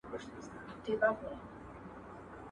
د قران ايتونه هدايت دی.